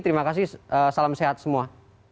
terima kasih salam sehat semua